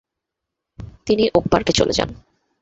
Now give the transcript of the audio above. তিনি ওকপার্কে চলে যান।